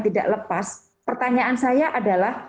tidak lepas pertanyaan saya adalah